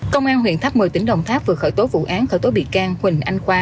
công an huyện tháp một mươi tỉnh đồng tháp vừa khởi tố vụ án khởi tố bị can huỳnh anh khoa